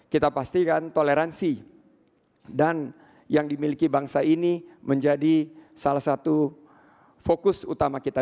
kita pastikan toleransi dan yang dimiliki bangsa ini menjadi salah satu fokus utama kita